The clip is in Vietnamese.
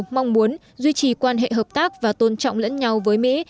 mong muốn duy trì quan hệ hợp tác và tôn trọng lẫn nhau với mỹ